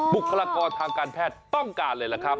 บุคลากรทางการแพทย์ต้องการเลยล่ะครับ